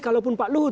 kalaupun pak luhut